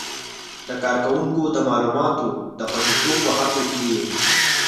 د کاروونکو د معلوماتو د خوندیتوب په هڅو کې یې